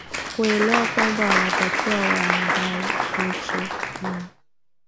kuelewa kwamba wana takiwa waaa waandae miche naa